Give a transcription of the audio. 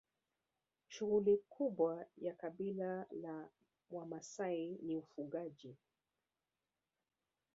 shughuli kubwa ya kabila la wamasai ni ufugaji